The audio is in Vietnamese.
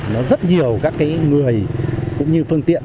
nó rất nhiều các cái người cũng như phương tiện